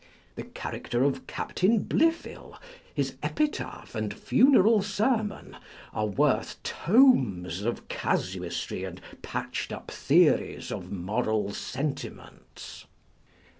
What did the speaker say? The character of Captain Blifil, his epitaph, and funeral sermon, are worth tomes of casuistry and patched up theories of moral sentiments.